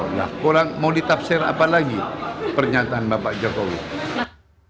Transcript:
nah kurang mau ditafsir apa lagi pernyataan bapak jokowi